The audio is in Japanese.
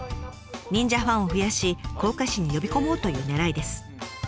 忍者ファンを増やし甲賀市に呼び込もうというねらいです。